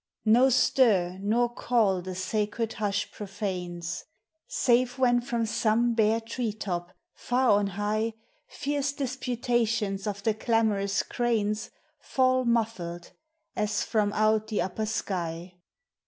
No stir nor call the sacred hush profanes; Save when from some bare tree top, far on high. Fierce disputations of the clamorous cranes Fall muffled, as from out the upper sky.